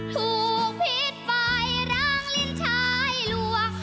ถูกผิดไปรังลิ้นท้ายหลวง